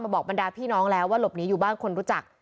บอกบรรดาพี่น้องแล้วว่าหลบหนีอยู่บ้านคนรู้จัก